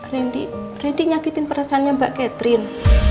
randy ready nyakitin perasaannya mbak catherine